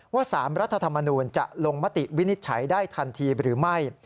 ๓รัฐธรรมนูลจะลงมติวินิจฉัยได้ทันทีหรือไม่